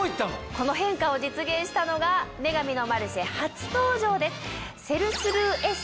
この変化を実現したのが『女神のマルシェ』初登場です。